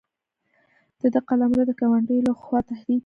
د ده قلمرو د ګاونډیو له خوا تهدید وي.